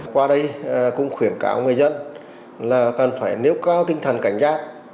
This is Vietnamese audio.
qua đây cũng khuyển cảo người dân là cần phải nếu có tinh thần cảnh giác